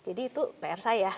jadi itu pr saya